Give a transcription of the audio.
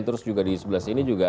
terus juga di sebelah sini juga